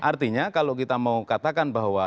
artinya kalau kita mau katakan bahwa